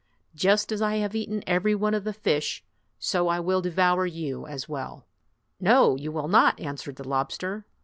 Just as I have eaten every one of the fish, so I will devour you as well!" "No, you will not," answered the lobster.